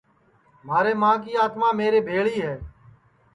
مھارے ماں کی آتما میرے بھیݪی ہے